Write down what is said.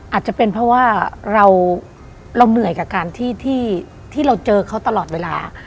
อาจจะเป็นเพราะว่าเราเหนื่อยกับการที่เราเจอเขาตลอดเวลา